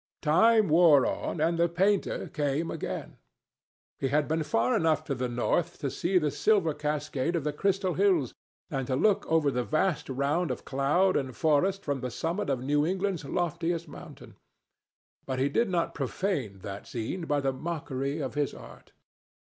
Time wore on, and the painter came again. He had been far enough to the north to see the silver cascade of the Crystal Hills, and to look over the vast round of cloud and forest from the summit of New England's loftiest mountain. But he did not profane that scene by the mockery of his art.